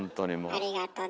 ありがとね